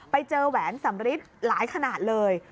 ไปเจอแหวนสำริสหลายขนาดเลย